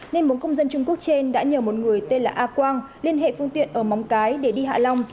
nên bốn công dân trung quốc trên đã nhờ một người tên là a quang liên hệ phương tiện ở móng cái để đi hạ long